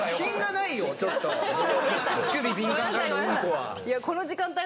「乳首」「敏感」からの「うんこ」は。